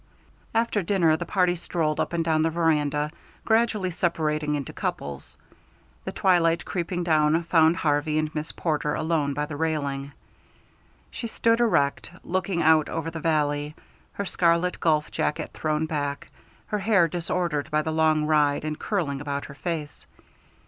After dinner the party strolled up and down the veranda, gradually separating into couples. The twilight creeping down found Harvey and Miss Porter alone by the railing. She stood erect, looking out over the valley, her scarlet golf jacket thrown back, her hair disordered by the long ride and curling about her face.